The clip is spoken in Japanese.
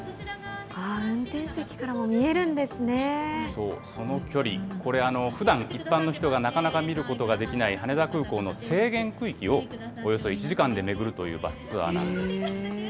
そう、その距離、これ、ふだん一般の人がなかなか見ることができない羽田空港の制限区域をおよそ１時間で巡るというバスツアーなんです。